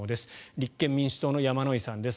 立憲民主党の山井さんです。